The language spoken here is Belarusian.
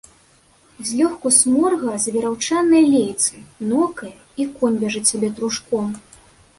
Злёгку сморгае за вераўчаныя лейцы, нокае, і конь бяжыць сабе трушком.